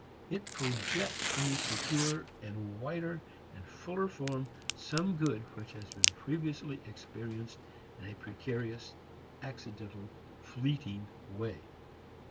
It projects in securer and wider and fuller form some good which has been previously experienced in a precarious, accidental, fleeting way.